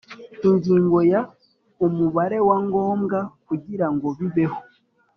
Ingingo ya Umubare wa ngombwa kugira ngo bibeho